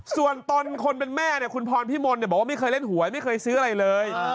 ส่วนตนคนเป็นแม่คุณพรพิมลบอกว่าไม่เคยเล่นหวยไม่เคยซื้ออะไรเลย